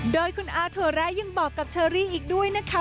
โดยคุณอาถั่วแร้ยังบอกกับเชอรี่อีกด้วยนะคะ